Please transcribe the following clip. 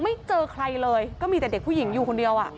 ไม่เจอใครเลยก็มีแต่เด็กผู้หญิงอยู่คนเดียว